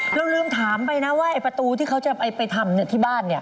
ลืมถามไปนะว่าไอ้ประตูที่เขาจะไปทำที่บ้านเนี่ย